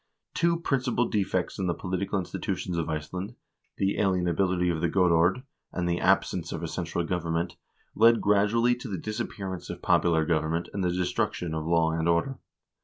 Two principal defects in the political institutions of Iceland, the alien ability of the godord, and the absence of a central government, led gradually to the disappearance of popular government and the destruction of law and order.